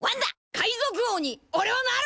海賊王におれはなる！